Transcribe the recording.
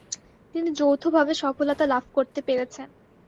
তিনি যৌথভাবে সফলতা লাভ করতে পেরেছেন।